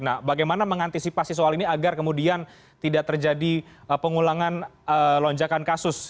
nah bagaimana mengantisipasi soal ini agar kemudian tidak terjadi pengulangan lonjakan kasus